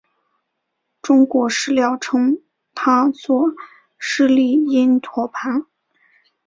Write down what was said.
中国史料称他作释利因陀盘。